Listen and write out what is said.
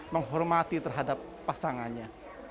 menghormati terhadap pasangannya